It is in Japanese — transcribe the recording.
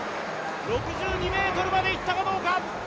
６２ｍまでいったかどうか。